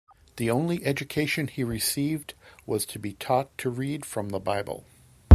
The only education he received was to be taught to read from the Bible.